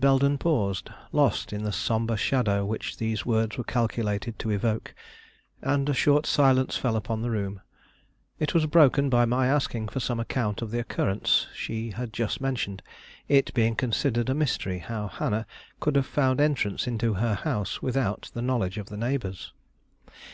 Belden paused, lost in the sombre shadow which these words were calculated to evoke, and a short silence fell upon the room. It was broken by my asking for some account of the occurrence she had just mentioned, it being considered a mystery how Hannah could have found entrance into her house without the knowledge of the neighbors.